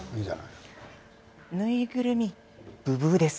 縫いぐるみブブーです。